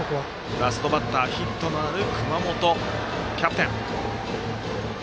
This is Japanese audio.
ラストバッターヒットのある熊本キャプテン。